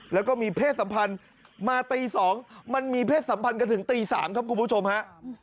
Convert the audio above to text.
แล้วก็มีเพศสัมพันธ์มาตี๒มันมีเพศสัมพันธ์กันถึงตี๓ครับคุณผู้ชมฮะ